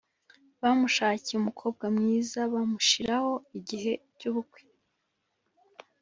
bamushakiye umukobwa mwiza bamushiraho igihe cyubukwe.